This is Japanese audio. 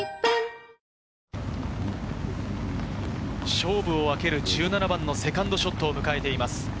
勝負を分ける１７番のセカンドショットを迎えています。